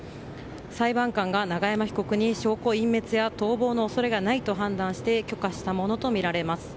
裁判官が永山被告に証拠隠滅や逃亡の恐れがないと判断して許可したものとみられます。